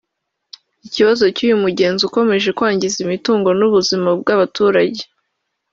Ikibazo cy’uyu mugezi ukomeje kwangiza imitungo n’ubuzima bw’abaturage